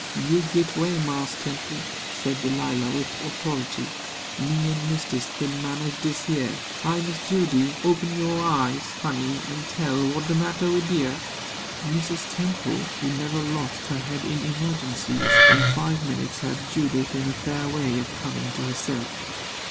"You git 'way, Marse Temple," said Delilah, with authority. "Me an' mistis kin manage dis heah. Hi, Miss Judy! Open yo' eyes, honey, an' tell what de matter wid you." Mrs. Temple, who never lost her head in emergencies, in five minutes had Judith in a fair way of coming to herself.